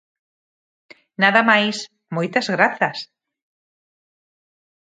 Nada máis, moitas grazas.